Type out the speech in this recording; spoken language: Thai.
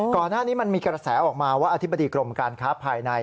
ก่อนหน้านี้มันมีกระแสออกมาว่าอธิบดีกรมการค้าภายใน